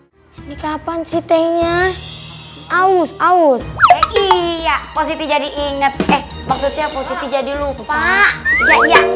hai ini kapan sih tehnya aus aus iya posisi jadi inget eh maksudnya posisi jadi lupa ya ya